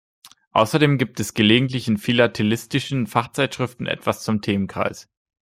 Außerdem gibt es gelegentlich in philatelistischen Fachzeitschriften etwas zum Themenkreis.